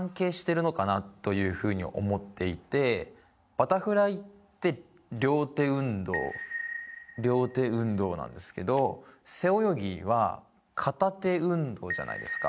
バタフライって両手運動なんですけど背泳ぎは片手運動じゃないですか。